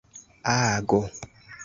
ago